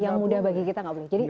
yang mudah bagi kita nggak boleh jadi